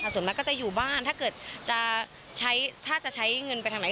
ส่วนมากก็จะอยู่บ้านถ้าเกิดจะใช้เงินไปทางไหน